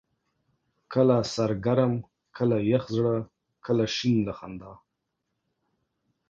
کله سر ګرم ، کله يخ زړه، کله شين له خندا